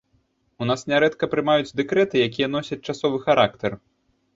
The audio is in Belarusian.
У нас нярэдка прымаюць дэкрэты, якія носяць часовы характар.